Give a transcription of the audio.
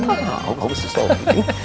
tahu kau sih sobri